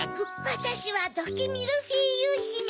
わたしはドキ・ミルフィーユひめ。